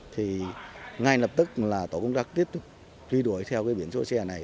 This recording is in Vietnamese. thì ngay lập tức là tổ công tác tiếp truy đuổi theo cái biển số xe này